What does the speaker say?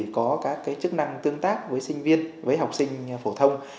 có các chức năng tương tác với sinh viên với học sinh phổ thông